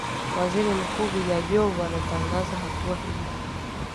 waziri mkuu vijajovo ametangaza hatua hiyo